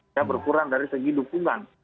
ya berkurang dari segi dukungan